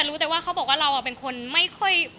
รู้แต่ว่าเขาบอกว่าเราเป็นคนไม่ค่อย